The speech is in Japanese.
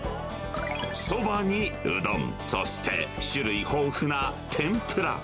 そばにうどん、そして種類豊富な天ぷら。